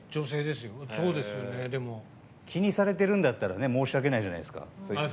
気にされてるんだったら申し訳ないじゃないですか。